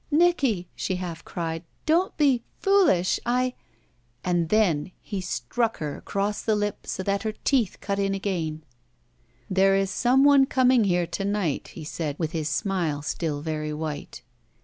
*'Nicky," she haH cried, ''don't be— fooUsh! I—" And then he struck her across the lip so that her teeth cut in again. There is some one coming here to night/* he said, with his smile still very white.